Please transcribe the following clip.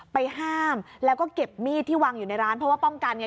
ไปห้ามแล้วก็เก็บมีดที่วางอยู่ในร้านเพราะว่าป้องกันไง